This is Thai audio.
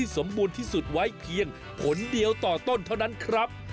สมบูรณ์ที่สุดไว้เพียงผลเดียวต่อต้นเท่านั้นครับ